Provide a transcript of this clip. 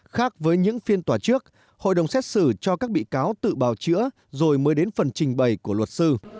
khác với những phiên tòa trước hội đồng xét xử cho các bị cáo tự bào chữa rồi mới đến phần trình bày của luật sư